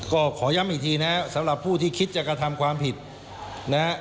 ก็ขอย้ำอีกทีนะฮะสำหรับผู้ที่คิดจะกระทำความผิดนะฮะ